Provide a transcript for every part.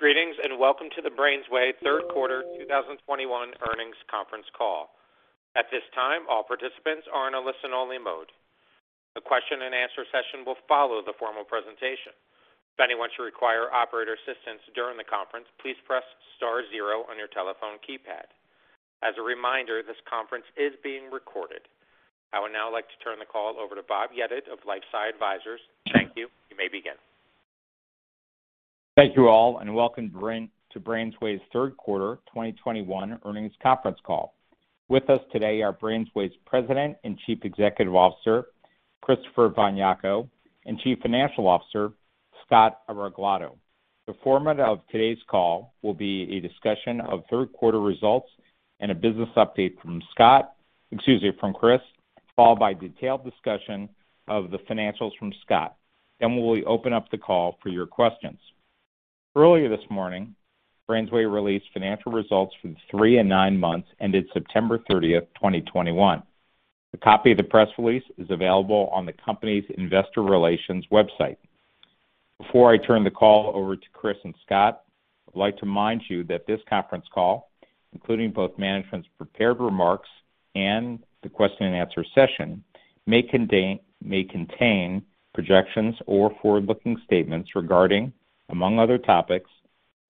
Greetings, and welcome to the BrainsWay Q3 2021 earnings conference call. At this time, all participants are in a listen-only mode. The question and answer session will follow the formal presentation. If anyone should require operator assistance during the conference, please press star zero on your telephone keypad. As a reminder, this conference is being recorded. I would now like to turn the call over to Bob Yedid of LifeSci Advisors. Thank you. You may begin. Thank you all and welcome to BrainsWay's third quarter 2021 earnings conference call. With us today are BrainsWay's President and Chief Executive Officer, Christopher von Jako, and Chief Financial Officer, Scott Areglado. The format of today's call will be a discussion of third quarter results and a business update from Chris, followed by detailed discussion of the financials from Scott. We will open up the call for your questions. Earlier this morning, BrainsWay released financial results for the three and nine months ended September 30th, 2021. A copy of the press release is available on the company's investor relations website. Before I turn the call over to Chris and Scott, I'd like to remind you that this conference call, including both management's prepared remarks and the question and answer session, may contain projections or forward-looking statements regarding, among other topics,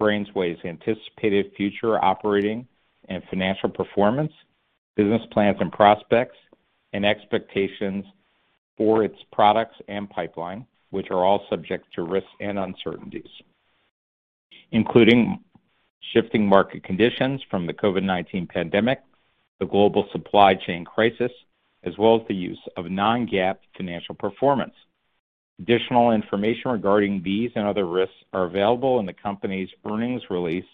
BrainsWay's anticipated future operating and financial performance, business plans and prospects, and expectations for its products and pipeline, which are all subject to risks and uncertainties, including shifting market conditions from the COVID-19 pandemic, the global supply chain crisis, as well as the use of non-GAAP financial performance. Additional information regarding these and other risks are available in the company's earnings release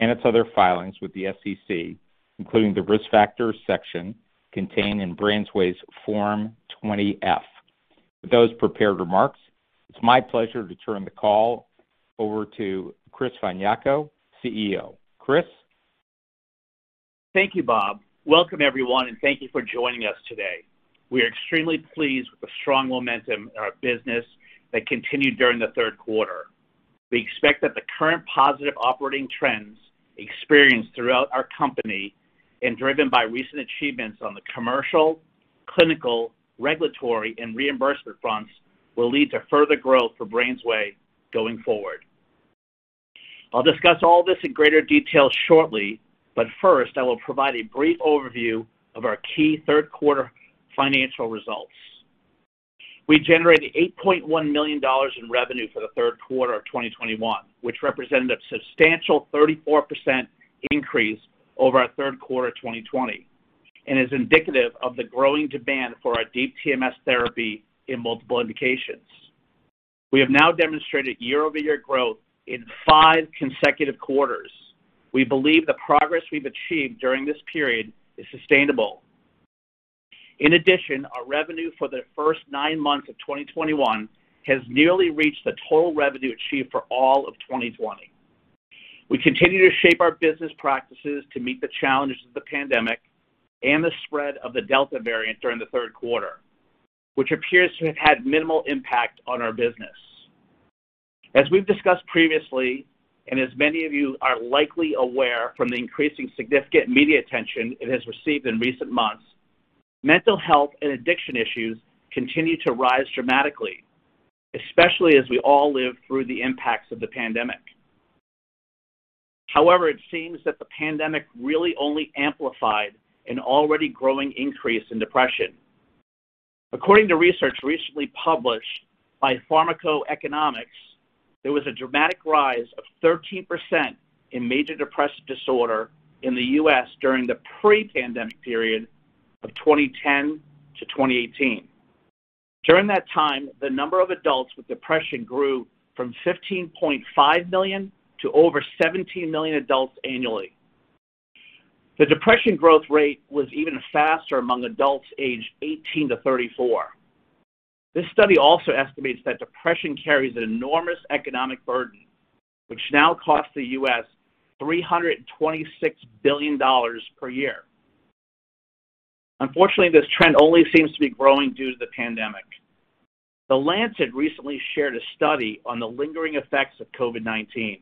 and its other filings with the SEC, including the Risk Factors section contained in BrainsWay's Form 20-F. With those prepared remarks, it's my pleasure to turn the call over to Chris von Jako, CEO. Chris. Thank you, Bob. Welcome, everyone, and thank you for joining us today. We are extremely pleased with the strong momentum in our business that continued during the third quarter. We expect that the current positive operating trends experienced throughout our company and driven by recent achievements on the commercial, clinical, regulatory, and reimbursement fronts will lead to further growth for BrainsWay going forward. I'll discuss all this in greater detail shortly, but first, I will provide a brief overview of our key third quarter financial results. We generated $8.1 million in revenue for the third quarter of 2021, which represented a substantial 34% increase over our third quarter of 2020 and is indicative of the growing demand for our Deep TMS therapy in multiple indications. We have now demonstrated year-over-year growth in five consecutive quarters. We believe the progress we've achieved during this period is sustainable. In addition, our revenue for the first nine months of 2021 has nearly reached the total revenue achieved for all of 2020. We continue to shape our business practices to meet the challenges of the pandemic and the spread of the Delta variant during the third quarter, which appears to have had minimal impact on our business. As we've discussed previously, and as many of you are likely aware from the increasingly significant media attention it has received in recent months, mental health and addiction issues continue to rise dramatically, especially as we all live through the impacts of the pandemic. However, it seems that the pandemic really only amplified an already growing increase in depression. According to research recently published by PharmacoEconomics, there was a dramatic rise of 13% in major depressive disorder in the U.S. during the pre-pandemic period of 2010 to 2018. During that time, the number of adults with depression grew from 15.5 million to over 17 million adults annually. The depression growth rate was even faster among adults aged 18 to 34. This study also estimates that depression carries an enormous economic burden, which now costs the U.S. $326 billion per year. Unfortunately, this trend only seems to be growing due to the pandemic. The Lancet recently shared a study on the lingering effects of COVID-19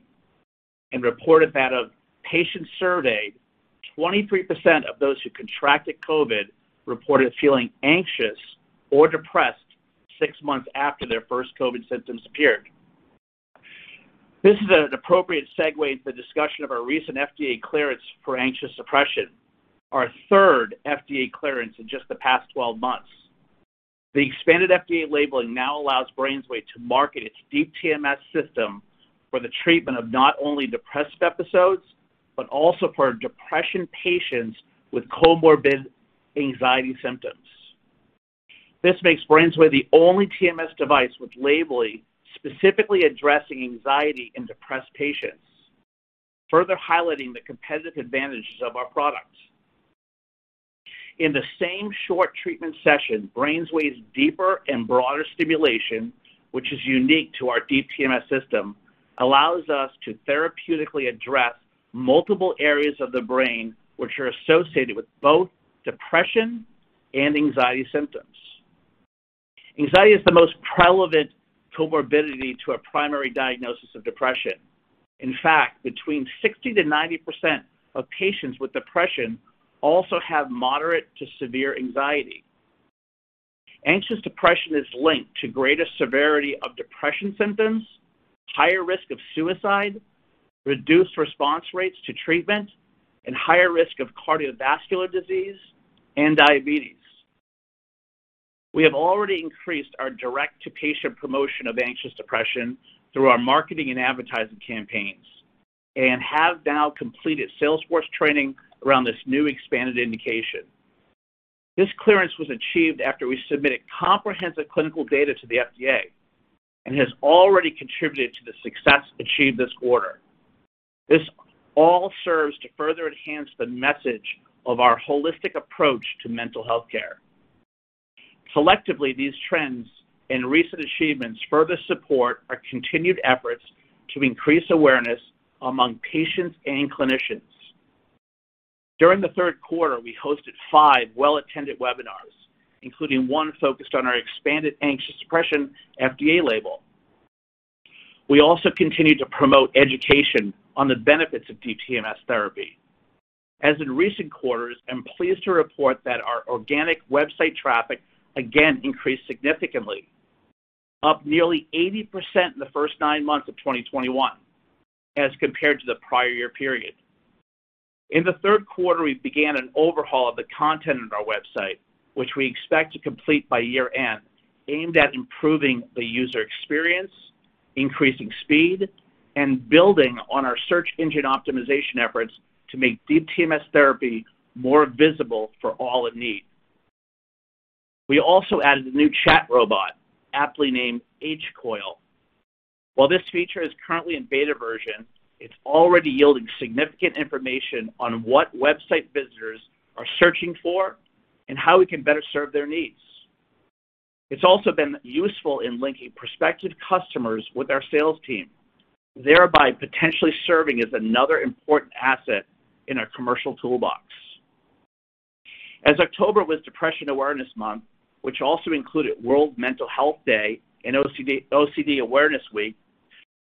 and reported that of patients surveyed, 23% of those who contracted COVID reported feeling anxious or depressed six months after their first COVID symptoms appeared. This is an appropriate segue into the discussion of our recent FDA clearance for anxious depression, our third FDA clearance in just the past 12 months. The expanded FDA labeling now allows BrainsWay to market its Deep TMS system for the treatment of not only depressive episodes, but also for depression patients with comorbid anxiety symptoms. This makes BrainsWay the only TMS device with labeling specifically addressing anxiety in depressed patients, further highlighting the competitive advantages of our products. In the same short treatment session, BrainsWay's deeper and broader stimulation, which is unique to our Deep TMS system, allows us to therapeutically address multiple areas of the brain which are associated with both depression and anxiety symptoms. Anxiety is the most prevalent comorbidity to a primary diagnosis of depression. In fact, between 60% and 90% of patients with depression also have moderate to severe anxiety. Anxious depression is linked to greater severity of depression symptoms, higher risk of suicide, reduced response rates to treatment, and higher risk of cardiovascular disease and diabetes. We have already increased our direct-to-patient promotion of anxious depression through our marketing and advertising campaigns and have now completed sales force training around this new expanded indication. This clearance was achieved after we submitted comprehensive clinical data to the FDA and has already contributed to the success achieved this quarter. This all serves to further enhance the message of our holistic approach to mental health care. Collectively, these trends and recent achievements further support our continued efforts to increase awareness among patients and clinicians. During the third quarter, we hosted five well-attended webinars, including one focused on our expanded anxious depression FDA label. We also continued to promote education on the benefits of Deep TMS therapy. As in recent quarters, I'm pleased to report that our organic website traffic again increased significantly, up nearly 80% in the first nine months of 2021 as compared to the prior year period. In the third quarter, we began an overhaul of the content on our website, which we expect to complete by year-end, aimed at improving the user experience, increasing speed, and building on our search engine optimization efforts to make Deep TMS therapy more visible for all in need. We also added a new chat robot, aptly named H-Coil. While this feature is currently in beta version, it's already yielding significant information on what website visitors are searching for and how we can better serve their needs. It's also been useful in linking prospective customers with our sales team, thereby potentially serving as another important asset in our commercial toolbox. As October was Depression Awareness Month, which also included World Mental Health Day and OCD Awareness Week,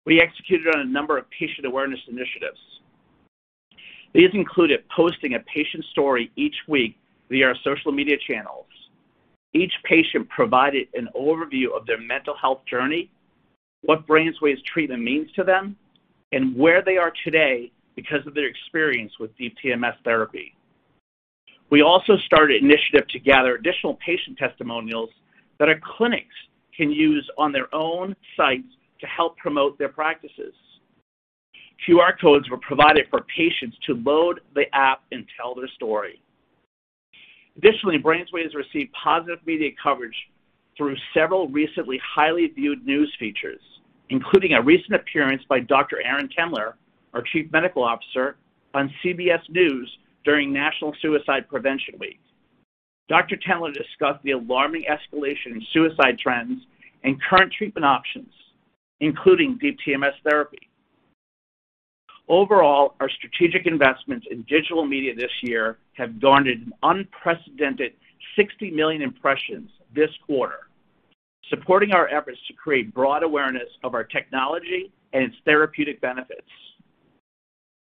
we executed on a number of patient awareness initiatives. These included posting a patient story each week via our social media channels. Each patient provided an overview of their mental health journey, what BrainsWay's treatment means to them, and where they are today because of their experience with Deep TMS therapy. We also started an initiative to gather additional patient testimonials that our clinics can use on their own sites to help promote their practices. QR codes were provided for patients to load the app and tell their story. Additionally, BrainsWay has received positive media coverage through several recently highly viewed news features, including a recent appearance by Dr. Aron Tendler, our Chief Medical Officer, on CBS News during National Suicide Prevention Week. Dr. Tendler discussed the alarming escalation in suicide trends and current treatment options, including Deep TMS therapy. Overall, our strategic investments in digital media this year have garnered an unprecedented 60 million impressions this quarter, supporting our efforts to create broad awareness of our technology and its therapeutic benefits.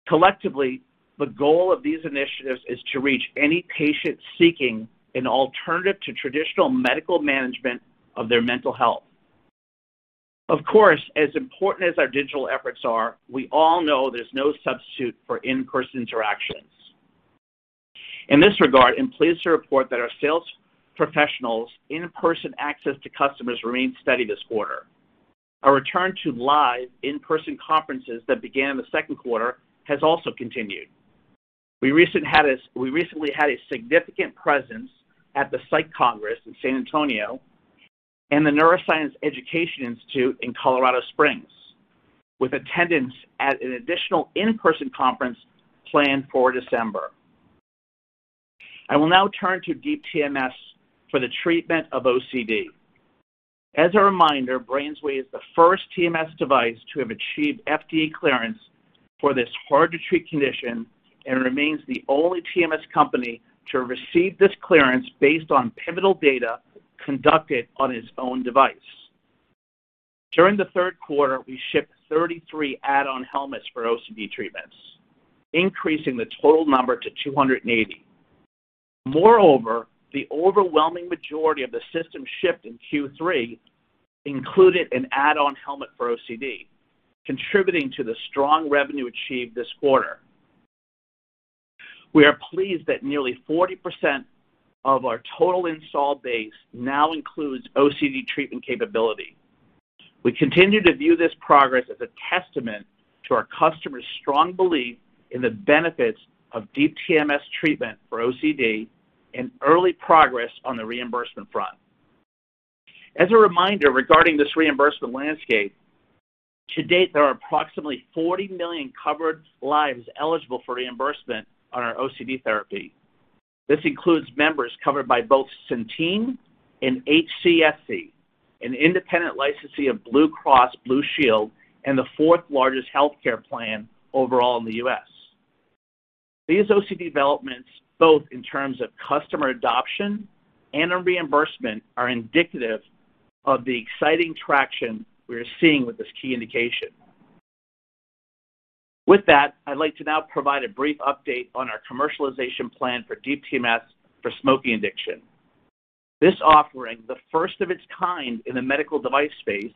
Collectively, the goal of these initiatives is to reach any patient seeking an alternative to traditional medical management of their mental health. Of course, as important as our digital efforts are, we all know there's no substitute for in-person interactions. In this regard, I'm pleased to report that our sales professionals' in-person access to customers remained steady this quarter. Our return to live in-person conferences that began in the second quarter has also continued. We recently had a significant presence at the Psych Congress in San Antonio and the Neuroscience Education Institute in Colorado Springs, with attendance at an additional in-person conference planned for December. I will now turn to Deep TMS for the treatment of OCD. As a reminder, BrainsWay is the first TMS device to have achieved FDA clearance for this hard-to-treat condition and remains the only TMS company to receive this clearance based on pivotal data conducted on its own device. During the third quarter, we shipped 33 add-on helmets for OCD treatments, increasing the total number to 280. Moreover, the overwhelming majority of the systems shipped in Q3 included an add-on helmet for OCD, contributing to the strong revenue achieved this quarter. We are pleased that nearly 40% of our total installed base now includes OCD treatment capability. We continue to view this progress as a testament to our customers' strong belief in the benefits of Deep TMS treatment for OCD and early progress on the reimbursement front. As a reminder regarding this reimbursement landscape, to date, there are approximately 40 million covered lives eligible for reimbursement on our OCD therapy. This includes members covered by both Centene and HCSC, an independent licensee of Blue Cross Blue Shield and the fourth-largest healthcare plan overall in the U.S.. These OCD developments, both in terms of customer adoption and in reimbursement, are indicative of the exciting traction we are seeing with this key indication. With that, I'd like to now provide a brief update on our commercialization plan for Deep TMS for smoking addiction. This offering, the first of its kind in the medical device space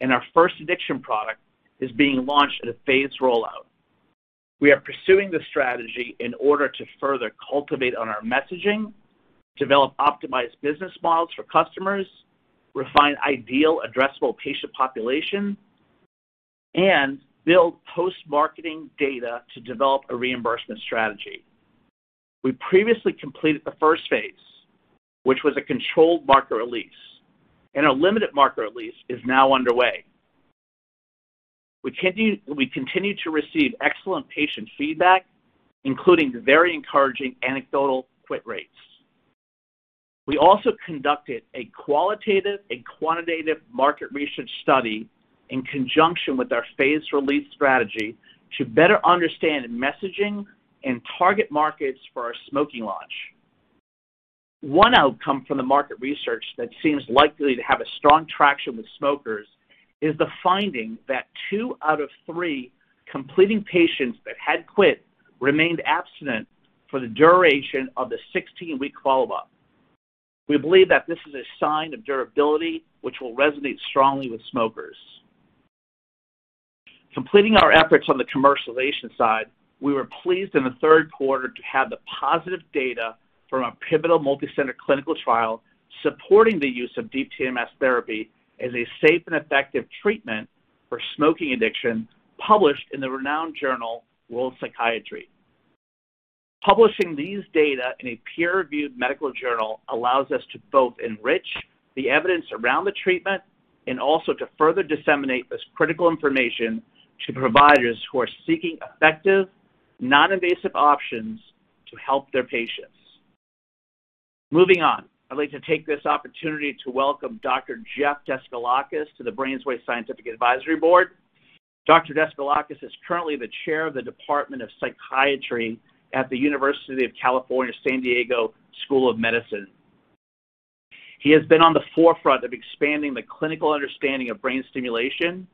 and our first addiction product, is being launched at a phased rollout. We are pursuing this strategy in order to further cultivate on our messaging, develop optimized business models for customers, refine ideal addressable patient population, and build post-marketing data to develop a reimbursement strategy. We previously completed the first phase, which was a controlled market release, and a limited market release is now underway. We continue to receive excellent patient feedback, including very encouraging anecdotal quit rates. We also conducted a qualitative and quantitative market research study in conjunction with our phased release strategy to better understand the messaging and target markets for our smoking launch. One outcome from the market research that seems likely to have a strong traction with smokers is the finding that two out of three completing patients that had quit remained abstinent for the duration of the 16-week follow-up. We believe that this is a sign of durability, which will resonate strongly with smokers. Completing our efforts on the commercialization side, we were pleased in the third quarter to have the positive data from a pivotal multi-center clinical trial supporting the use of Deep TMS therapy as a safe and effective treatment for smoking addiction, published in the renowned journal World Psychiatry. Publishing these data in a peer-reviewed medical journal allows us to both enrich the evidence around the treatment and also to further disseminate this critical information to providers who are seeking effective, non-invasive options to help their patients. Moving on, I'd like to take this opportunity to welcome Dr. Zafiris Daskalakis to the BrainsWay Scientific Advisory Board. Dr. Daskalakis is currently the Chair of the Department of Psychiatry at the University of California San Diego School of Medicine. He has been on the forefront of expanding the clinical understanding of brain stimulation,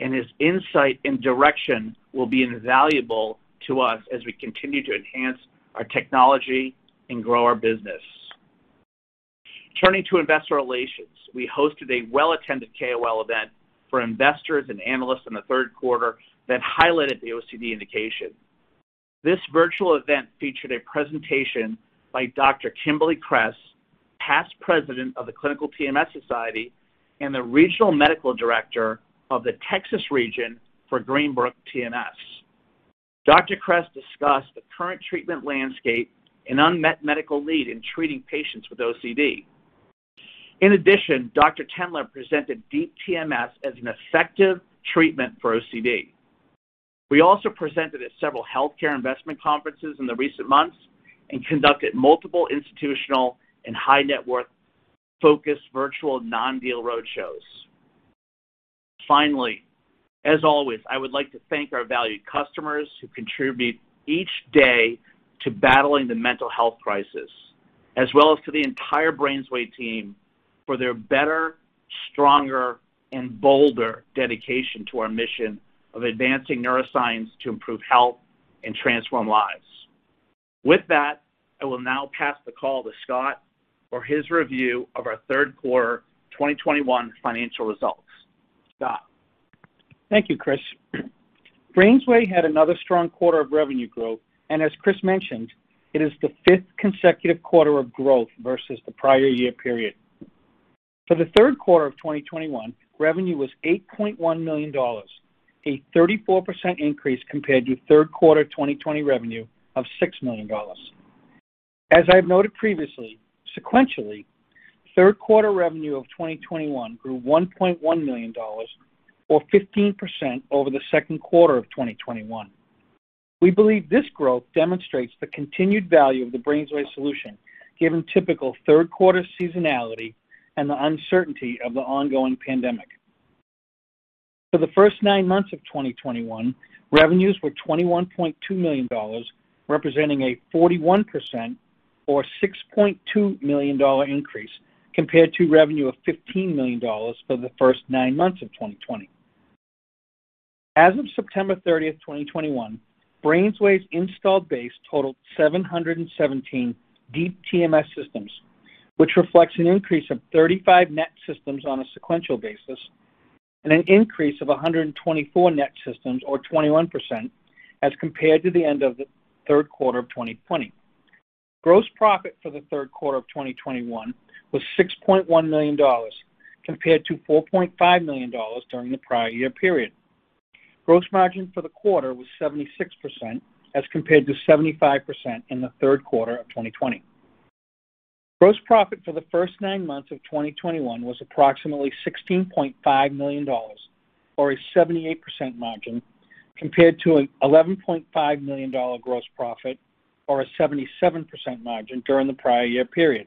and his insight and direction will be invaluable to us as we continue to enhance our technology and grow our business. Turning to investor relations, we hosted a well-attended KOL event for investors and analysts in the third quarter that highlighted the OCD indication. This virtual event featured a presentation by Dr. Kimberly Cress, Past President of the Clinical TMS Society and the Regional Medical Director of the Texas region for Greenbrook TMS. Dr. Cress discussed the current treatment landscape and unmet medical need in treating patients with OCD. In addition, Dr. Aron Tendler presented Deep TMS as an effective treatment for OCD. We also presented at several healthcare investment conferences in the recent months and conducted multiple institutional and high-net-worth focused virtual non-deal roadshows. Finally, as always, I would like to thank our valued customers who contribute each day to battling the mental health crisis, as well as to the entire BrainsWay team for their better, stronger, and bolder dedication to our mission of advancing neuroscience to improve health and transform lives. With that, I will now pass the call to Scott for his review of our third quarter 2021 financial results. Scott. Thank you, Chris. BrainsWay had another strong quarter of revenue growth, and as Chris mentioned, it is the fifth consecutive quarter of growth versus the prior year period. For the third quarter of 2021, revenue was $8.1 million, a 34% increase compared to third quarter 2020 revenue of $6 million. As I've noted previously, sequentially, third quarter revenue of 2021 grew $1.1 million or 15% over the second quarter of 2021. We believe this growth demonstrates the continued value of the BrainsWay solution, given typical third quarter seasonality and the uncertainty of the ongoing pandemic. For the first nine months of 2021, revenues were $21.2 million, representing a 41% or $6.2 million increase compared to revenue of $15 million for the first nine months of 2020. As of September 30, 2021, BrainsWay's installed base totaled 717 Deep TMS systems, which reflects an increase of 35 net systems on a sequential basis and an increase of 124 net systems or 21% as compared to the end of the third quarter of 2020. Gross profit for the third quarter of 2021 was $6.1 million compared to $4.5 million during the prior year period. Gross margin for the quarter was 76% as compared to 75% in the third quarter of 2020. Gross profit for the first nine months of 2021 was approximately $16.5 million or a 78% margin compared to an $11.5 million gross profit or a 77% margin during the prior year period.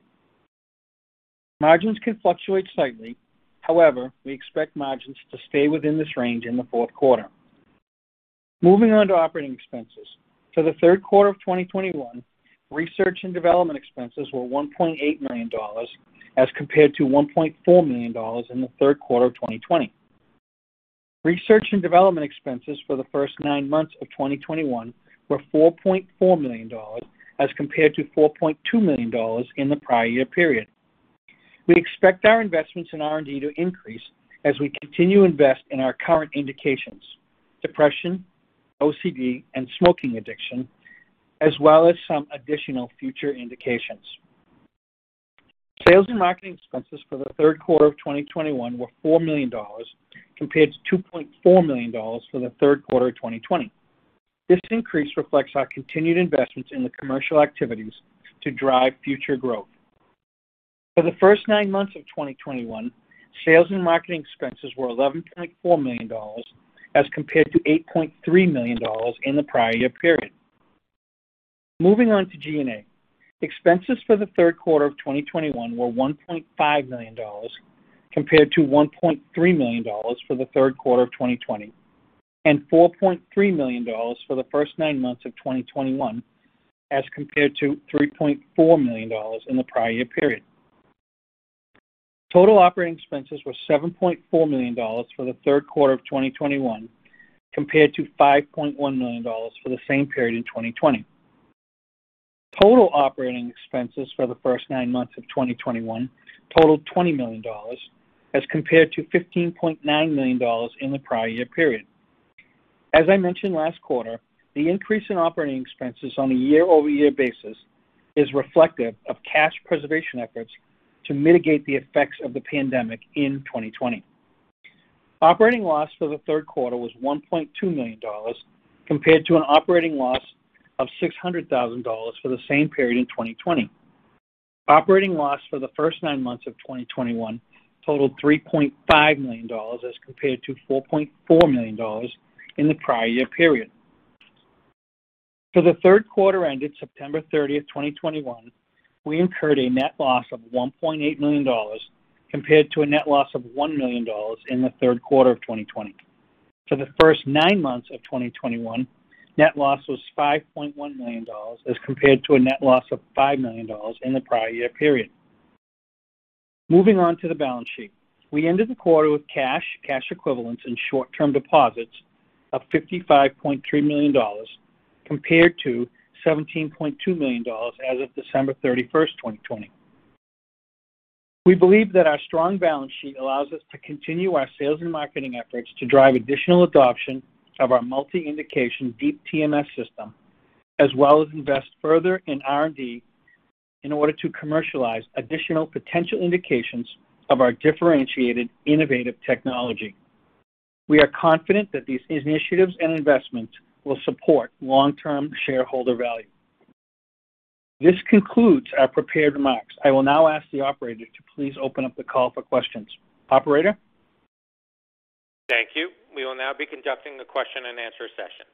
Margins can fluctuate slightly. However, we expect margins to stay within this range in the fourth quarter. Moving on to operating expenses. For the third quarter of 2021, research and development expenses were $1.8 million as compared to $1.4 million in the third quarter of 2020. Research and development expenses for the first nine months of 2021 were $4.4 million as compared to $4.2 million in the prior year period. We expect our investments in R&D to increase as we continue to invest in our current indications, depression, OCD, and smoking addiction, as well as some additional future indications. Sales and marketing expenses for the third quarter of 2021 were $4 million compared to $2.4 million for the third quarter of 2020. This increase reflects our continued investments in the commercial activities to drive future growth. For the first nine months of 2021, sales and marketing expenses were $11.4 million as compared to $8.3 million in the prior year period. Moving on to G&A. Expenses for the third quarter of 2021 were $1.5 million compared to $1.3 million for the third quarter of 2020, and $4.3 million for the first nine months of 2021 as compared to $3.4 million in the prior year period. Total operating expenses were $7.4 million for the third quarter of 2021 compared to $5.1 million for the same period in 2020. Total operating expenses for the first nine months of 2021 totaled $20 million as compared to $15.9 million in the prior year period. As I mentioned last quarter, the increase in operating expenses on a year-over-year basis is reflective of cash preservation efforts to mitigate the effects of the pandemic in 2020. Operating loss for the third quarter was $1.2 million compared to an operating loss of $600,000 for the same period in 2020. Operating loss for the first nine months of 2021 totaled $3.5 million as compared to $4.4 million in the prior year period. For the third quarter ended September 30th, 2021, we incurred a net loss of $1.8 million compared to a net loss of $1 million in the third quarter of 2020. For the first nine months of 2021, net loss was $5.1 million as compared to a net loss of $5 million in the prior year period. Moving on to the balance sheet. We ended the quarter with cash equivalents, and short-term deposits of $55.3 million compared to $17.2 million as of December 31st, 2020. We believe that our strong balance sheet allows us to continue our sales and marketing efforts to drive additional adoption of our multi-indication Deep TMS system, as well as invest further in R&D in order to commercialize additional potential indications of our differentiated innovative technology. We are confident that these initiatives and investments will support long-term shareholder value. This concludes our prepared remarks. I will now ask the operator to please open up the call for questions. Operator? Thank you. We will now be conducting the question and answer session.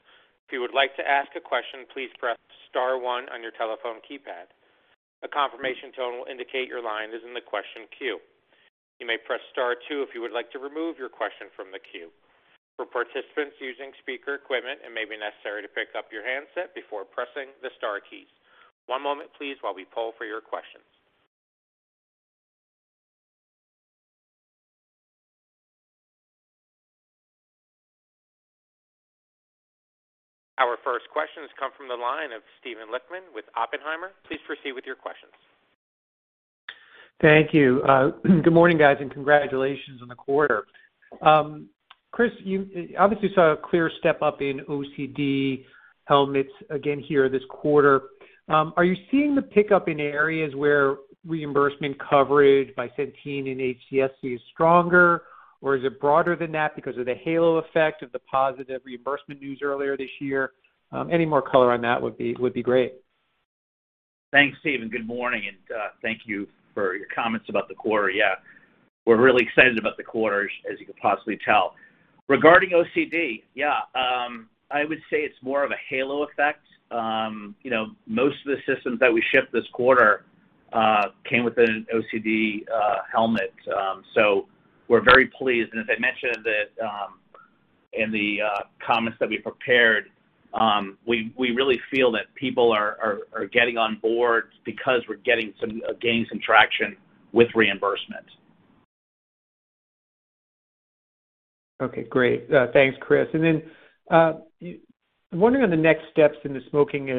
If you would like to ask a question, please press star one on your telephone keypad. A confirmation tone will indicate your line is in the question queue. You may press star two if you would like to remove your question from the queue. For participants using speaker equipment, it may be necessary to pick up your handset before pressing the star keys. One moment please while we poll for your questions. Our first question has come from the line of Steve Lichtman with Oppenheimer. Please proceed with your questions. Thank you. Good morning, guys, and congratulations on the quarter. Chris, you obviously saw a clear step-up in OCD H-coils again here this quarter. Are you seeing the pickup in areas where reimbursement coverage by Centene and HCSC is stronger, or is it broader than that because of the halo effect of the positive reimbursement news earlier this year? Any more color on that would be great. Thanks, Steven. Good morning, and thank you for your comments about the quarter. Yeah. We're really excited about the quarter as you can possibly tell. Regarding OCD, yeah, I would say it's more of a halo effect. You know, most of the systems that we shipped this quarter came with an OCD helmet. So we're very pleased. As I mentioned that in the comments that we prepared, we really feel that people are getting on board because we're gaining some traction with reimbursement. Okay, great. Thanks, Chris. I'm wondering on the next steps in the smoking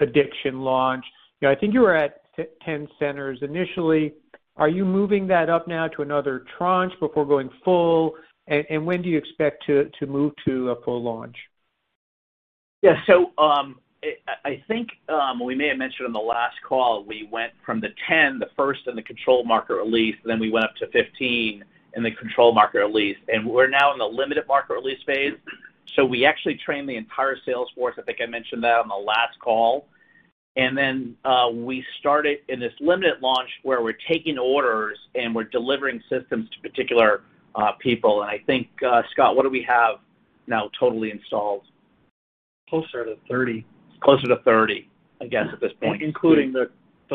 addiction launch. You know, I think you were at 10 centers initially. Are you moving that up now to another tranche before going full? And when do you expect to move to a full launch? Yeah. I think we may have mentioned on the last call, we went from the 10, the first in the controlled market release, then we went up to 15 in the controlled market release, and we're now in the limited market release phase. We actually trained the entire sales force. I think I mentioned that on the last call. Then, we started in this limited launch where we're taking orders and we're delivering systems to particular people. I think, Scott, what do we have now totally installed? Closer to 30. Closer to 30, I guess, at this point. Including the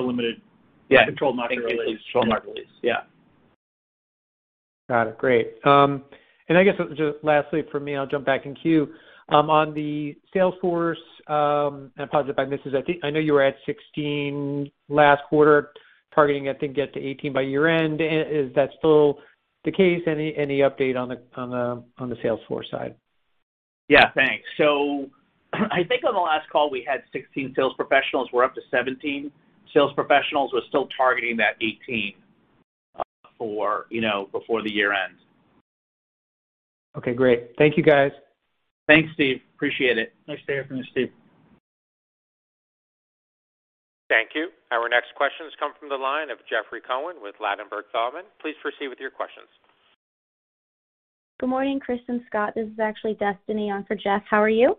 limited Yeah. Controlled market release. Controlled market release. Yeah. Got it. Great. I guess just lastly from me, I'll jump back in queue on the sales force and apologize if I miss this. I know you were at 16 last quarter, targeting to get to 18 by year-end. Is that still the case? Any update on the sales force side? Yeah, thanks. I think on the last call we had 16 sales professionals. We're up to 17 sales professionals. We're still targeting that 18 for, you know, before the year ends. Okay, great. Thank you, guys. Thanks, Steve. Appreciate it. Nice to hear from you, Steve. Thank you. Our next question has come from the line of Jeffrey Cohen with Ladenburg Thalmann. Please proceed with your questions. Good morning, Chris, Scott. This is actually Destiny on for Jeff. How are you? Good,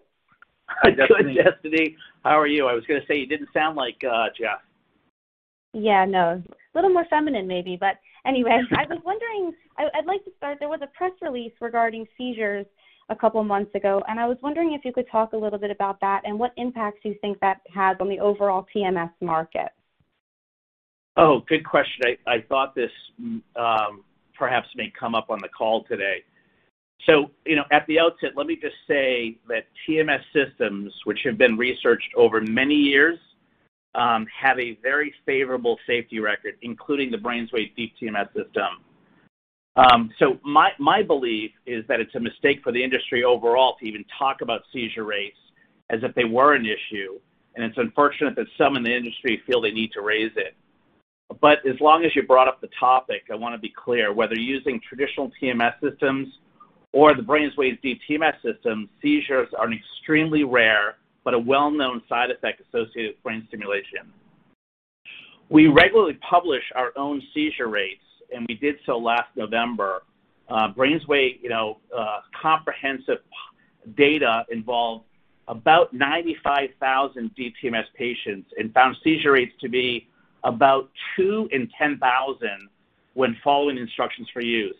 Destiny. How are you? I was gonna say, you didn't sound like, Jeff. Yeah, no. A little more feminine maybe, but anyway. I was wondering, I'd like to start. There was a press release regarding seizures a couple of months ago, and I was wondering if you could talk a little bit about that and what impacts you think that has on the overall TMS market. Oh, good question. I thought this, perhaps may come up on the call today. You know, at the outset, let me just say that TMS systems, which have been researched over many years, have a very favorable safety record, including the BrainsWay Deep TMS system. My belief is that it's a mistake for the industry overall to even talk about seizure rates as if they were an issue, and it's unfortunate that some in the industry feel they need to raise it. As long as you brought up the topic, I wanna be clear, whether using traditional TMS systems or the BrainsWay's Deep TMS system, seizures are an extremely rare but a well-known side effect associated with brain stimulation. We regularly publish our own seizure rates, and we did so last November. BrainsWay comprehensive data involved about 95,000 Deep TMS patients and found seizure rates to be about two in 10,000 when following instructions for use.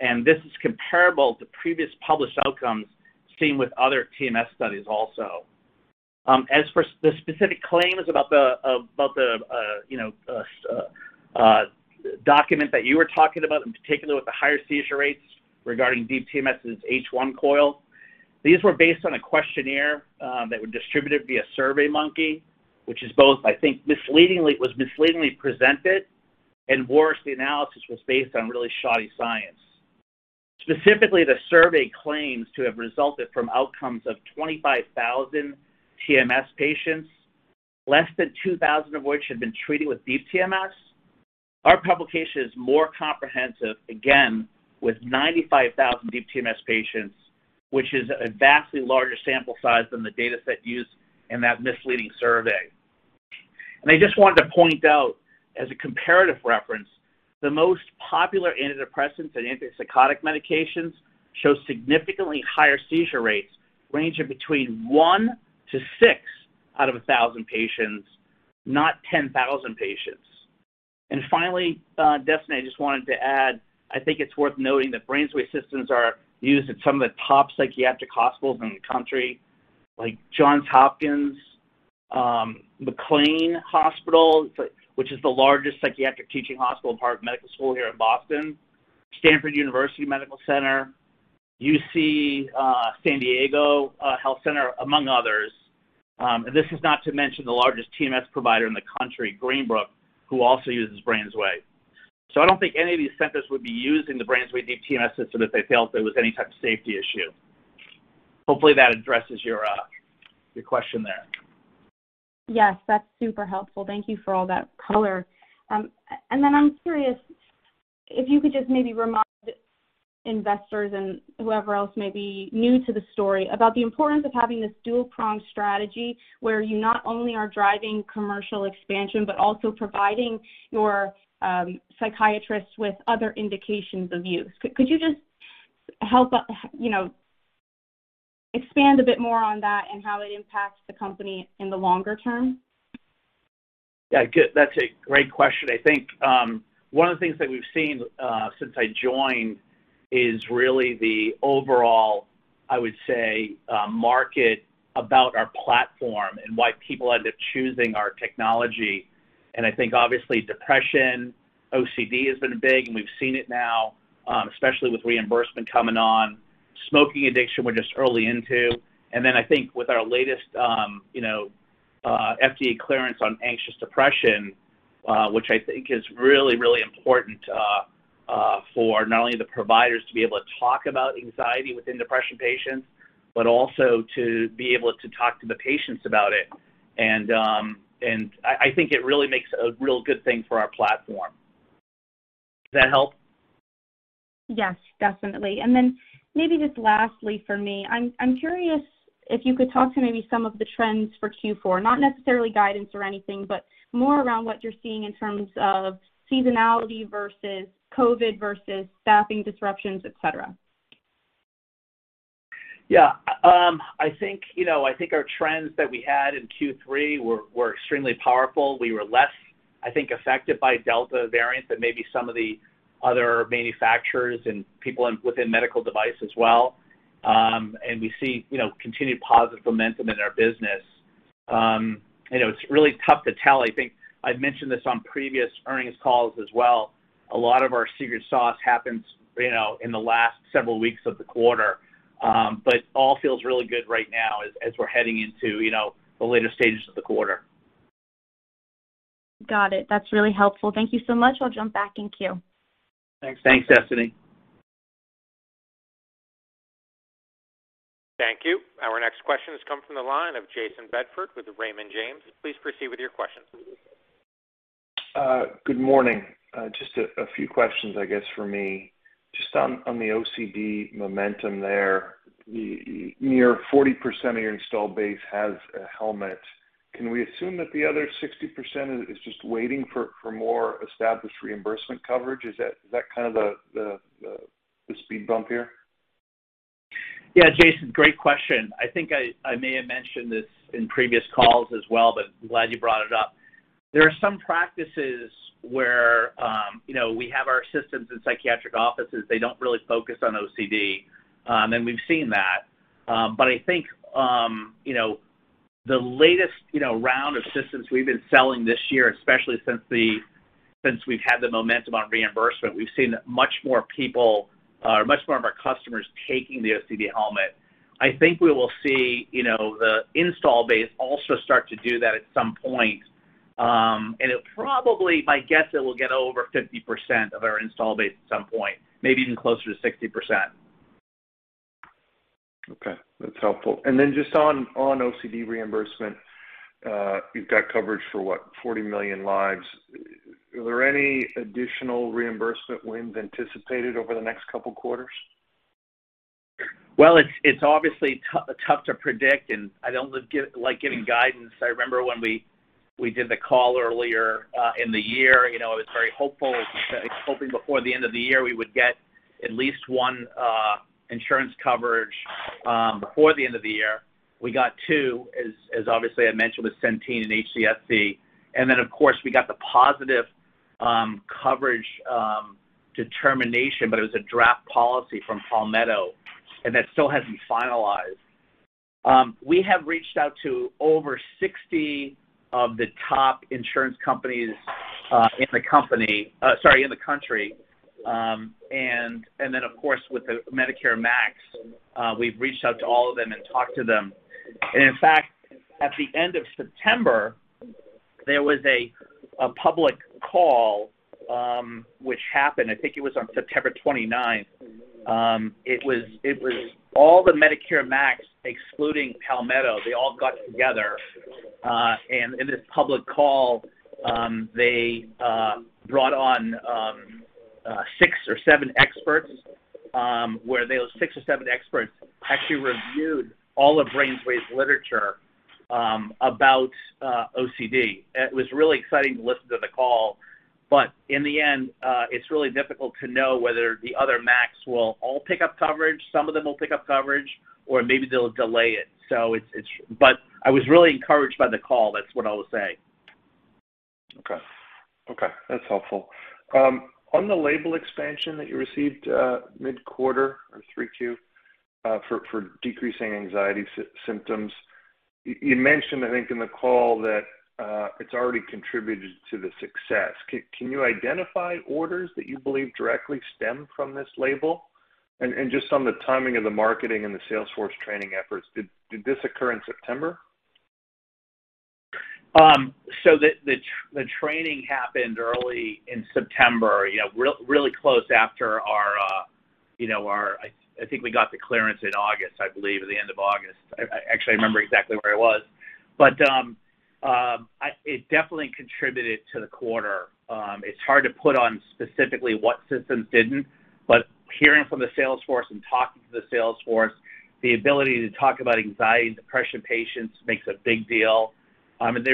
This is comparable to previous published outcomes seen with other TMS studies also. As for the specific claims about the document that you were talking about, in particular with the higher seizure rates regarding Deep TMS' H1 Coil, these were based on a questionnaire that were distributed via SurveyMonkey, which was misleadingly presented and worse, the analysis was based on really shoddy science. Specifically, the survey claims to have resulted from outcomes of 25,000 TMS patients, less than 2,000 of which had been treated with Deep TMS. Our publication is more comprehensive, again, with 95,000 Deep TMS patients, which is a vastly larger sample size than the dataset used in that misleading survey. I just wanted to point out, as a comparative reference, the most popular antidepressants and antipsychotic medications show significantly higher seizure rates ranging between 1-6 out of 1,000 patients, not 10,000 patients. Finally, Destiny, I just wanted to add, I think it's worth noting that BrainsWay systems are used at some of the top psychiatric hospitals in the country, like Johns Hopkins, McLean Hospital, which is the largest psychiatric teaching hospital and part of the medical school here in Boston, Stanford University Medical Center, UC San Diego Health, among others. This is not to mention the largest TMS provider in the country, Greenbrook, who also uses BrainsWay. I don't think any of these centers would be using the BrainsWay Deep TMS system if they felt there was any type of safety issue. Hopefully, that addresses your question there. Yes, that's super helpful. Thank you for all that color. I'm curious if you could just maybe remind investors and whoever else may be new to the story about the importance of having this dual-pronged strategy where you not only are driving commercial expansion, but also providing your psychiatrists with other indications of use. Could you just help, you know, expand a bit more on that and how it impacts the company in the longer term? Yeah, good. That's a great question. I think, one of the things that we've seen, since I joined is really the overall, I would say, market adoption of our platform and why people end up choosing our technology. I think obviously depression, OCD has been big, and we've seen it now, especially with reimbursement coming on. Smoking addiction, we're just early into. I think with our latest, you know, FDA clearance on anxious depression, which I think is really, really important, for not only the providers to be able to talk about anxiety within depression patients, but also to be able to talk to the patients about it. I think it really makes a real good thing for our platform. Does that help? Yes, definitely. Maybe just lastly from me, I'm curious if you could talk to maybe some of the trends for Q4. Not necessarily guidance or anything, but more around what you're seeing in terms of seasonality versus COVID versus staffing disruptions, et cetera. Yeah. I think, you know, I think our trends that we had in Q3 were extremely powerful. We were less, I think, affected by Delta variant than maybe some of the other manufacturers and people in, within medical device as well. We see, you know, continued positive momentum in our business. You know, it's really tough to tell. I think I've mentioned this on previous earnings calls as well. A lot of our secret sauce happens, you know, in the last several weeks of the quarter. It all feels really good right now as we're heading into, you know, the later stages of the quarter. Got it. That's really helpful. Thank you so much. I'll jump back in queue. Thanks. Thanks, Destiny. Thank you. Our next question has come from the line of Jayson Bedford with Raymond James. Please proceed with your questions. Good morning. Just a few questions, I guess, from me. Just on the OCD momentum there, near 40% of your installed base has a helmet. Can we assume that the other 60% is just waiting for more established reimbursement coverage? Is that kind of the speed bump here? Yeah, Jayson, great question. I think I may have mentioned this in previous calls as well, but I'm glad you brought it up. There are some practices where, you know, we have our systems in psychiatric offices, they don't really focus on OCD, and we've seen that. I think, you know, the latest, you know, round of systems we've been selling this year, especially since we've had the momentum on reimbursement, we've seen much more people, much more of our customers taking the OCD helmet. I think we will see, you know, the installed base also start to do that at some point. It probably, my guess, will get over 50% of our installed base at some point, maybe even closer to 60%. Okay. That's helpful. Just on OCD reimbursement, you've got coverage for what? 40 million lives. Are there any additional reimbursement wins anticipated over the next couple quarters? Well, it's obviously tough to predict, and I don't like giving guidance. I remember when we did the call earlier in the year, you know, I was very hopeful, hoping before the end of the year, we would get at least one insurance coverage before the end of the year. We got two, as obviously I mentioned, with Centene and HCSC. Of course, we got the positive coverage determination, but it was a draft policy from Palmetto, and that still hasn't been finalized. We have reached out to over 60 of the top insurance companies in the country. Of course, with the Medicare MACs, we've reached out to all of them and talked to them. In fact, at the end of September, there was a public call which happened, I think it was on September 29th. It was all the Medicare MACs, excluding Palmetto. They all got together and in this public call, they brought on six or seven experts, those six or seven experts actually reviewed all of BrainsWay's literature about OCD. It was really exciting to listen to the call, but in the end, it's really difficult to know whether the other MACs will all pick up coverage, some of them will pick up coverage, or maybe they'll delay it. I was really encouraged by the call. That's what I'll say. Okay. Okay, that's helpful. On the label expansion that you received mid-quarter or 3Q for decreasing anxiety symptoms, you mentioned, I think, in the call that it's already contributed to the success. Can you identify orders that you believe directly stem from this label? Just on the timing of the marketing and the sales force training efforts, did this occur in September? The training happened early in September. Yeah, really close after our, you know, I think we got the clearance in August, I believe, at the end of August. I actually remember exactly where I was. It definitely contributed to the quarter. It's hard to put on specifically what systems didn't, but hearing from the sales force and talking to the sales force, the ability to talk about anxiety and depression patients makes a big deal. I mean,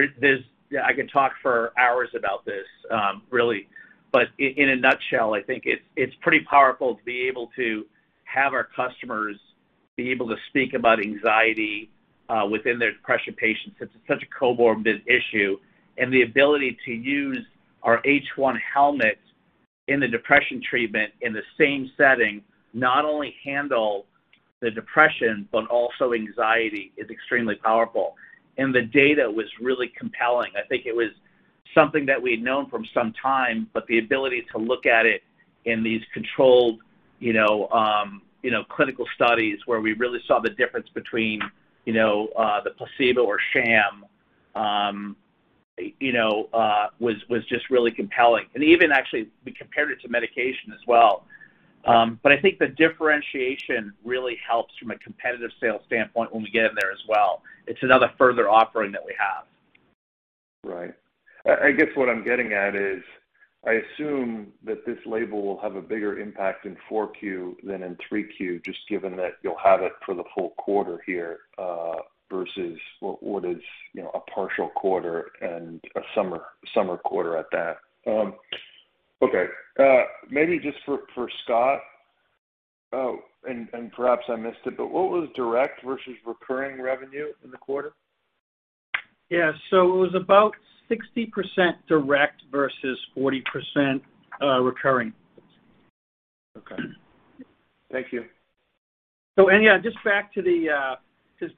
I could talk for hours about this, really. In a nutshell, I think it's pretty powerful to be able to have our customers be able to speak about anxiety within their depression patients. It's such a comorbid issue, and the ability to use our H1 Coil in the depression treatment in the same setting, not only handle the depression, but also anxiety, is extremely powerful. The data was really compelling. I think it was something that we'd known for some time, but the ability to look at it in these controlled, you know, clinical studies where we really saw the difference between, you know, the placebo or sham, you know, was just really compelling. Even actually, we compared it to medication as well. But I think the differentiation really helps from a competitive sales standpoint when we get in there as well. It's another further offering that we have. Right. I guess what I'm getting at is, I assume that this label will have a bigger impact in Q4 than in Q3, just given that you'll have it for the full quarter here, versus what is, you know, a partial quarter and a summer quarter at that. Okay. Maybe just for Scott. Perhaps I missed it, but what was direct versus recurring revenue in the quarter? Yeah. It was about 60% direct versus 40% recurring. Okay. Thank you. Yeah, just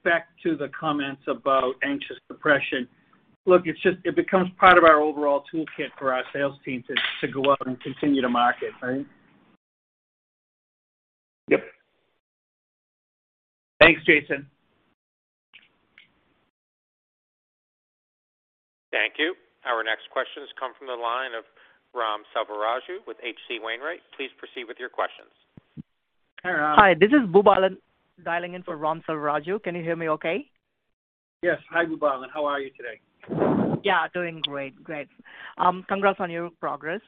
back to the comments about anxious depression. Look, it's just it becomes part of our overall toolkit for our sales team to go out and continue to market, right? Yep. Thanks, Jayson. Thank you. Our next question has come from the line of Ram Selvaraju with H.C. Wainwright. Please proceed with your questions. Hi, Ram. Hi. This is Bhubalan dialing in for Ram Selvaraju. Can you hear me okay? Yes. Hi, Bhubalan. How are you today? Yeah, doing great. Great. Congrats on your progress.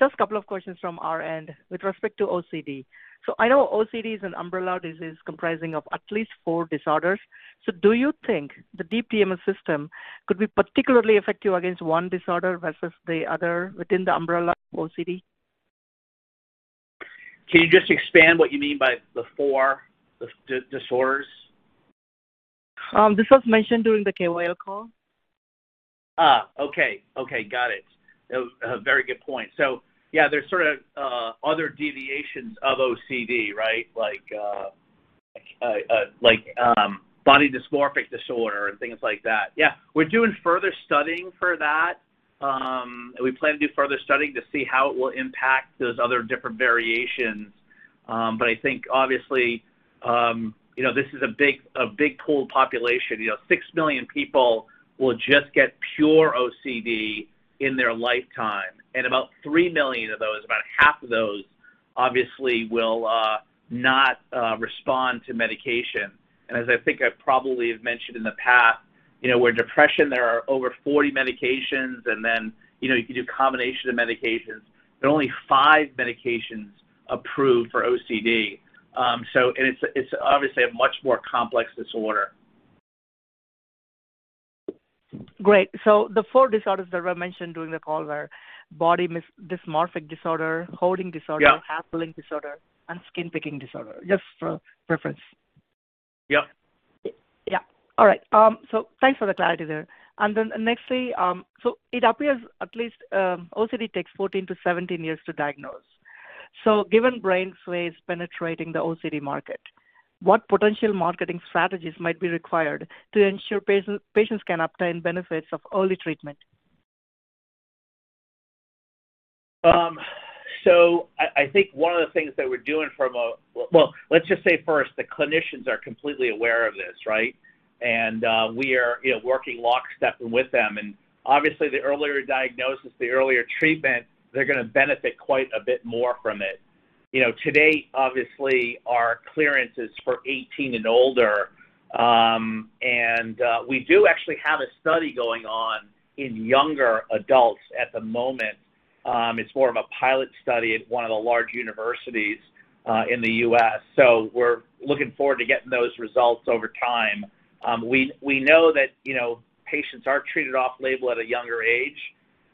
Just couple of questions from our end with respect to OCD. I know OCD is an umbrella disease comprising of at least four disorders. Do you think the Deep TMS system could be particularly effective against one disorder versus the other within the umbrella of OCD? Can you just expand what you mean by the four disorders? This was mentioned during the KOL call. Okay. Got it. It was a very good point. Yeah, there's sort of other deviations of OCD, right? Like, body dysmorphic disorder and things like that. Yeah. We're doing further studying for that, and we plan to do further studying to see how it will impact those other different variations. I think obviously, you know, this is a big pool population. You know, six million people will just get pure OCD in their lifetime, and about three million of those, half of those, obviously will not respond to medication. As I think I probably have mentioned in the past, you know, with depression, there are over 40 medications, and then, you know, you can do combination of medications, there are only five medications approved for OCD. It's obviously a much more complex disorder. Great. The four disorders that were mentioned during the call were body dysmorphic disorder, hoarding disorder. Yeah. Hoarding disorder, Hair pulling disorder, and Skin picking disorder. Just for reference. Yeah. Yeah. All right. Thanks for the clarity there. Lastly, it appears at least, OCD takes 14-17 years to diagnose. Given BrainsWay's penetrating the OCD market, what potential marketing strategies might be required to ensure patients can obtain benefits of early treatment? I think one of the things that we're doing. Well, let's just say first, the clinicians are completely aware of this, right? We are, you know, working in lockstep with them. Obviously the earlier diagnosis, the earlier treatment, they're gonna benefit quite a bit more from it. You know, to date, obviously, our clearance is for 18 and older, and we do actually have a study going on in younger adults at the moment. It's more of a pilot study at one of the large universities in the U.S. We're looking forward to getting those results over time. We know that, you know, patients are treated off-label at a younger age,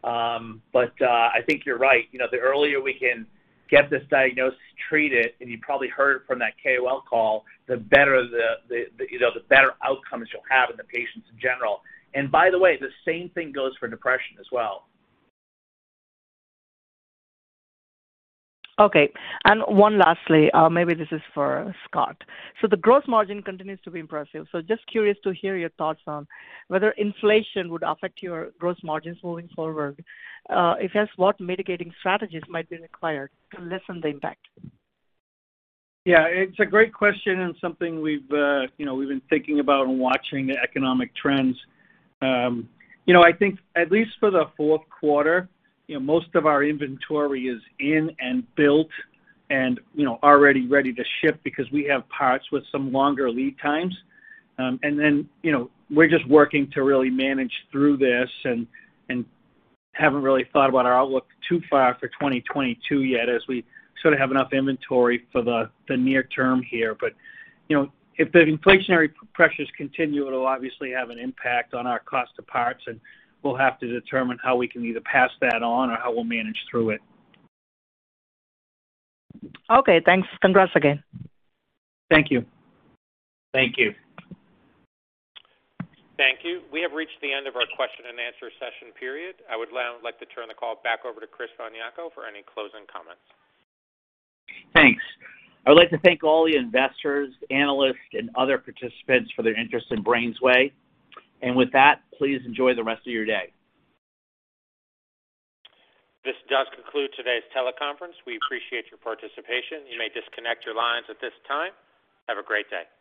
but I think you're right. You know, the earlier we can get this diagnosis treated, and you probably heard from that KOL call, the better the you know, the better outcomes you'll have in the patients in general. By the way, the same thing goes for depression as well. Okay. One lastly, maybe this is for Scott. The gross margin continues to be impressive. Just curious to hear your thoughts on whether inflation would affect your gross margins moving forward. If yes, what mitigating strategies might be required to lessen the impact? Yeah. It's a great question and something we've been thinking about and watching the economic trends. You know, I think at least for the fourth quarter, you know, most of our inventory is in and built and, you know, already ready to ship because we have parts with some longer lead times. And then, you know, we're just working to really manage through this and haven't really thought about our outlook too far for 2022 yet as we sort of have enough inventory for the near term here. You know, if the inflationary pressures continue, it'll obviously have an impact on our cost of parts, and we'll have to determine how we can either pass that on or how we'll manage through it. Okay. Thanks. Congrats again. Thank you. Thank you. Thank you. We have reached the end of our question and answer session period. I would now like to turn the call back over to Chris von Jako for any closing comments. Thanks. I'd like to thank all the investors, analysts, and other participants for their interest in BrainsWay. With that, please enjoy the rest of your day. This does conclude today's teleconference. We appreciate your participation. You may disconnect your lines at this time. Have a great day.